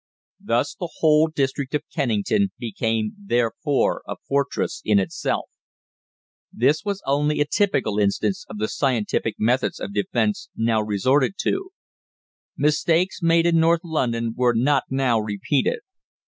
Thus the whole district of Kennington became therefore a fortress in itself. This was only a typical instance of the scientific methods of defence now resorted to. Mistakes made in North London were not now repeated.